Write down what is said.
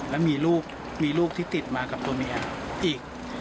แล้วมีลูกมีลูกที่ติดมากับตัวเมียอีก